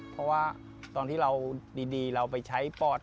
เพราะว่าตอนที่เราดีเราไปใช้ปอด